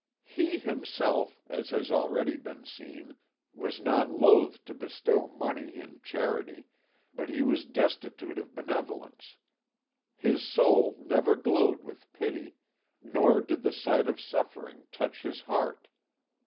He himself, as has already been seen, was not loth to bestow money in charity, but he was destitute of benevolence; his soul never glowed with pity, nor did the sight of suffering touch his heart.